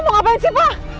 mau ngapain sih pak